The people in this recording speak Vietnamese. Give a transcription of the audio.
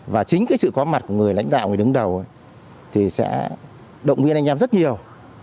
và chính cái sự có mặt của người lãnh đạo người đứng đầu thì sẽ động viên anh em rất nhiều